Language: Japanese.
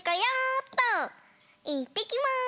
いってきます！